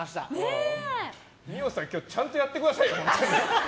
今日ちゃんとやってくださいよ。